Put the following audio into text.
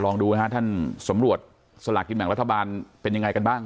ลองดูนะฮะท่านสำรวจสลากกินแบ่งรัฐบาลเป็นยังไงกันบ้าง